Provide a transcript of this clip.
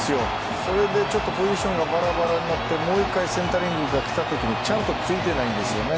それでポジションがバラバラになっても１回センタリング逆にきたときにちゃんとついてないんですよね。